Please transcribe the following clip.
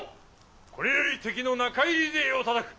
これより敵の中入り勢をたたく。